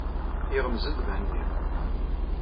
Iɣmez-d Mhenni.